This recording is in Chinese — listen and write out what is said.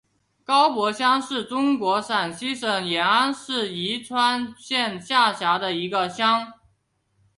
高柏乡是中国陕西省延安市宜川县下辖的一个乡。